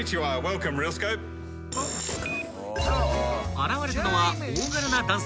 ［現れたのは大柄な男性］